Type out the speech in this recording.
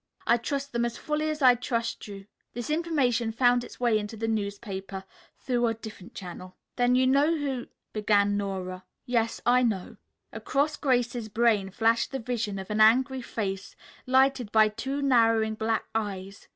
I trust them as fully as I trust you. This information found its way into the newspapers through a different channel." "Then you know who " began Nora. "Yes, I know," Across Grace's brain flashed the vision of an angry face, lighted by two narrowing black eyes.